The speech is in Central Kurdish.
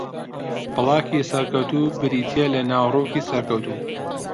بڵاگی سەرکەوتوو بریتییە لە ناوەڕۆکی سەرکەوتوو